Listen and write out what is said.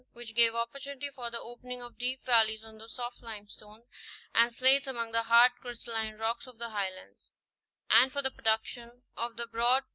95), which gave opportunity for the opening of deep val leys on the soft limestones and slates among the hard crystalline rocks of the Highlands ; and for the production of the broad ty > H.